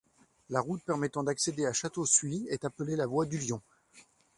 La route permettant d’accéder à Château-Suif est appelée la Voie du Lion.